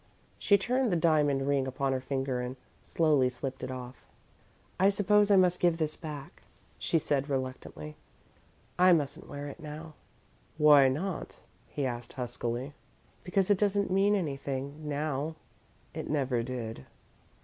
She turned the diamond ring upon her finger and slowly slipped it off. "I suppose I must give this back," she said, reluctantly. "I mustn't wear it now." "Why not?" he asked huskily. "Because it doesn't mean anything now." "It never did.